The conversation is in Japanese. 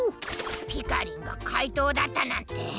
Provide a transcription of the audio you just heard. ピカリンがかいとうだったなんて。